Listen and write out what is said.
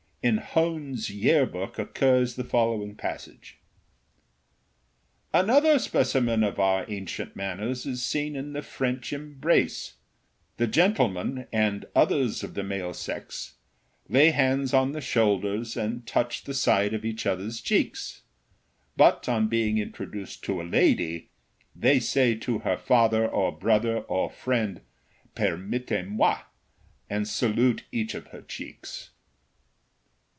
In Hone's "Year Book" occurs the following passage: "Another specimen of our ancient manners is seen in the French embrace. The gentleman, and others of the male sex, lay hands on the shoulders and touch the side of each other's cheeks; but on being introduced to a lady, they say to her father or brother or friend, permettez moi, and salute each of her cheeks."